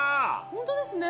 ホントですね。